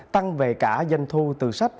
tăng về cả doanh thu từ sách